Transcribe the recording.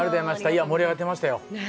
盛り上がってましたよ。